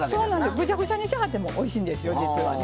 ぐしゃぐしゃにしはってもおいしいんですよ実はね。